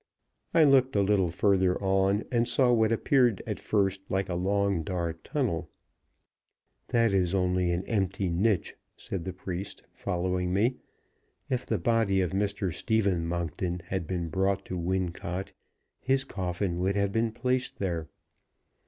I looked a little further on, and saw what appeared at first like a long dark tunnel. "That is only an empty niche," said the priest, following me. "If the body of Mr. Stephen Monkton had been brought to Wincot, his coffin would have been placed there."